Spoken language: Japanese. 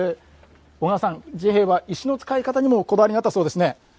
小川さん、治兵衛は石の使い方にもこだわりがあったそうですね。